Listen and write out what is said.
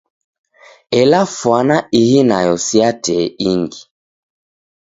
Ela fwana ihi nayo si ya tee ingi.